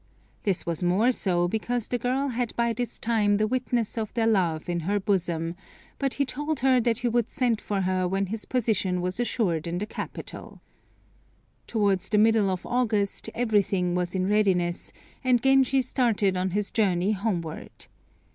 This was more so because the girl had by this time the witness of their love in her bosom, but he told her that he would send for her when his position was assured in the capital. Towards the middle of August everything was in readiness, and Genji started on his journey homeward.